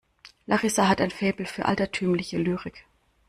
Larissa hat ein Faible für altertümliche Lyrik.